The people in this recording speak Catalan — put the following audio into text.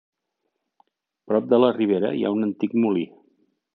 Prop de la ribera hi ha un antic molí.